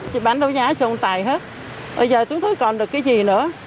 chị bán đấu giá trồng tài hết bây giờ chúng tôi còn được cái gì nữa